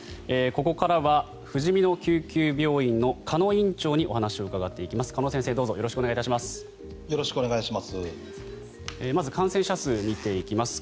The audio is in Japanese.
ここからはふじみの救急病院の鹿野院長にお話を伺っていきます。